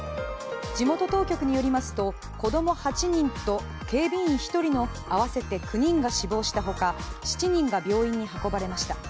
地元当局によりますと子供８人と警備員１人の合わせて９人が死亡したほか７人が病院に運ばれました。